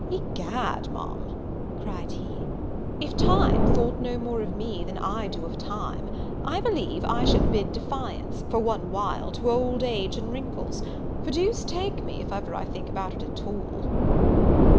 "Egad, Ma'am," cried he, "if Time thought no more of me than I do of Time, I believe I should bid defiance, for one while, to old age and wrinkles; for deuce take me, if ever I think about it at all."